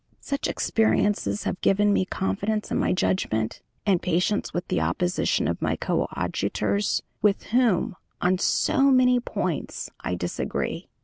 Such experiences have given me confidence in my judgment, and patience with the opposition of my coadjutors, with whom on so many points I disagree.